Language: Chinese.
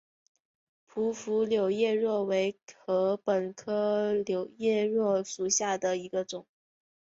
匍匐柳叶箬为禾本科柳叶箬属下的一个种。